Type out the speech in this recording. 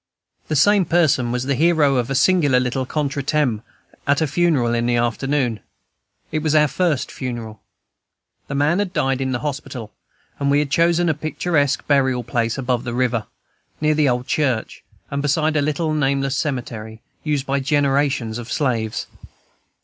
The same person was the hero of a singular little contre temps at a funeral in the afternoon. It was our first funeral. The man had died in hospital, and we had chosen a picturesque burial place above the river, near the old church, and beside a little nameless cemetery, used by generations of slaves.